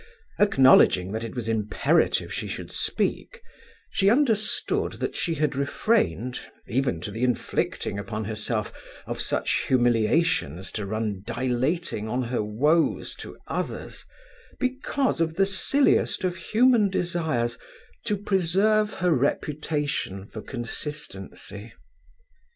Acknowledging that it was imperative she should speak, she understood that she had refrained, even to the inflicting upon herself of such humiliation as to run dilating on her woes to others, because of the silliest of human desires to preserve her reputation for consistency.